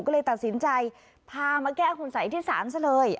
ก็เลยตัดสินใจพามาแก้คุณสัยที่ศาลซะเลย